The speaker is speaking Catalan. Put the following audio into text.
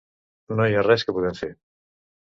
No hi ha res que podem fer.